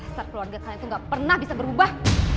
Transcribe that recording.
asal keluarga kalian itu gak pernah bisa berubah